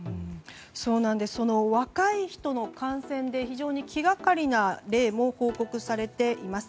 その若い人の感染で非常に気がかりな例も報告されています。